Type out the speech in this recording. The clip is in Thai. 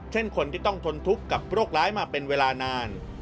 เช่นคนที่ต้องทนทุกข์กับโรคร้ายมาเป็นเวลานาน